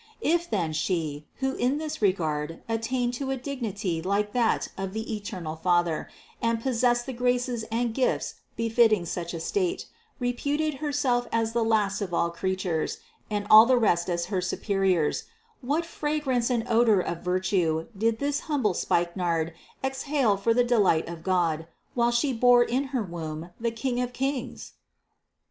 If then She, who in this regard attained to a dig nity like that of the eternal Father and possessed the graces and gifts befitting such a state, reputed Herself as the last of all creatures and all the rest as her superiors, what fragrance and odor of virtue did this humble spike nard exhale for the delight of God, while She bore in her womb the King of kings